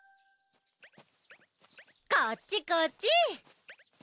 こっちこっち。